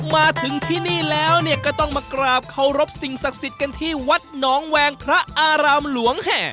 มาถึงที่นี่แล้วก็ต้องมากราบเคารพสิ่งศักดิ์สิทธิ์กันที่วัดหนองแวงพระอารามหลวงแห่